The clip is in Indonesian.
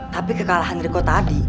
tapi kekalahan riku tadi